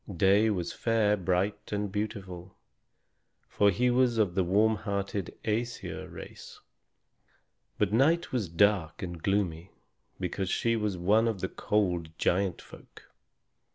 Day was fair, bright, and beautiful, for he was of the warm hearted Æsir race. But Night was dark and gloomy, because she was one of the cold giant folk.